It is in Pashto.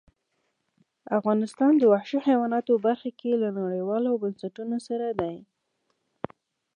افغانستان د وحشي حیواناتو برخه کې له نړیوالو بنسټونو سره دی.